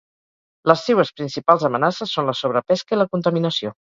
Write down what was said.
Les seues principals amenaces són la sobrepesca i la contaminació.